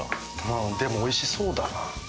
ああでもおいしそうだな。